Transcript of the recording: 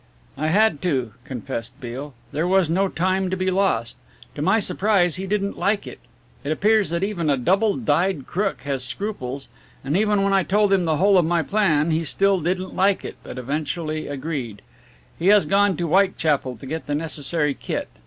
"I had to," confessed Beale, "there was no time to be lost. To my surprise he didn't like it. It appears that even a double dyed crook has scruples, and even when I told him the whole of my plan he still didn't like it, but eventually agreed. He has gone to Whitechapel to get the necessary kit.